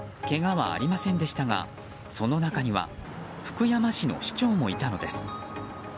けがはありませんでしたがその中には福山市の市長もいたのです。